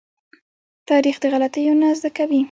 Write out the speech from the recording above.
تاریخ د غلطيو نه زده کوي.